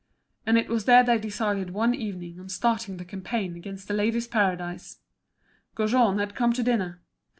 And it was there they decided one evening on starting the campaign against The Ladies' Paradise. Gaujean had come to dinner.